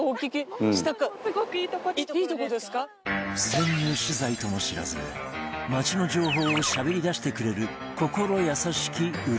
潜入取材とも知らず街の情報をしゃべりだしてくれる心優しき浦和民